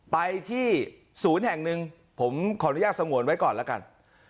ไปที่ศูนย์แห่งหนึ่งผมขออนุญาตสงวนไว้ก่อนแล้วกัน